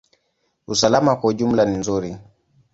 Usalama kwa ujumla ni nzuri.